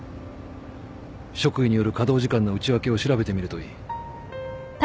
職位による稼働時間の内訳を調べてみるといい。